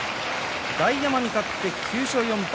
大奄美、勝って９勝４敗。